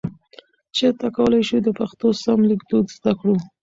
چیرته کولای شو د پښتو سم لیکدود زده کړو؟